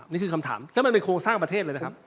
นี่คือคำถามซึ่งมันเป็นโครงสร้างประเทศเลยนะครับ